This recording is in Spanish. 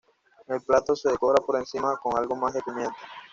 El plato se decora por encima con algo más de pimienta.